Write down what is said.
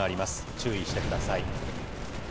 注意してください。